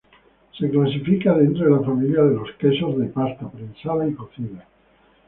Se clasifica dentro de la familia de los quesos de pasta prensada y cocida.